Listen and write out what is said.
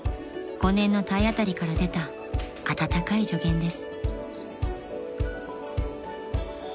［５年の体当たりから出た温かい助言です］